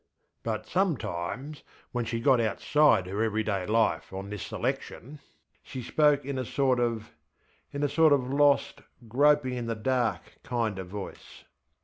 But sometimes when she got outside her everyday life on this selection she spoke in a sort ofŌĆö in a sort of lost groping in the dark kind of voice.